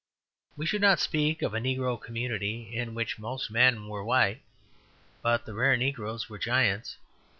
We should not speak of a negro community in which most men were white, but the rare negroes were giants.